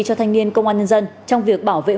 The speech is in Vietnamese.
cho thanh niên công an nhân dân trong việc bảo vệ